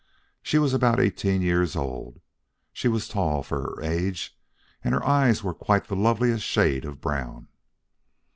She was about eighteen years old; she was tall for her age, and her eyes were quite the loveliest shade of brown.